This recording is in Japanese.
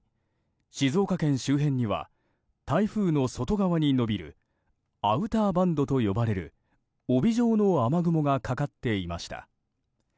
静岡県周辺には台風の外側にのびるアウターバンドと呼ばれる帯状の雨雲がかかっていました。